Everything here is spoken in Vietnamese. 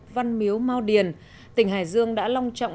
tôi đến đây được ba tháng